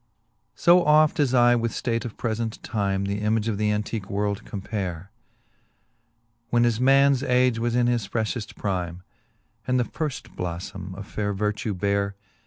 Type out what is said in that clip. I. O oft as I with ftate of prefent time The image of the antique world compare. When as mans age was in his frefhefl: prime, And the firft bloflbme of faire vertue bare.